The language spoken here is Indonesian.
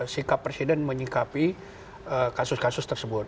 sikap presiden menyikapi kasus kasus tersebut